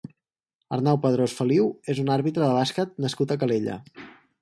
Arnau Padrós Feliu és un àrbitre de bàsquet nascut a Calella.